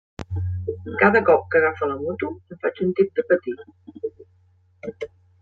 Cada cop que agafa la moto em faig un tip de patir.